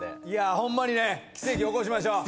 ホンマにね奇跡起こしましょう。